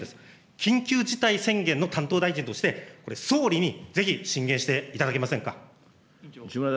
緊急事態宣言の担当大臣としてこれ、総理にぜひ、進言していただけませんか。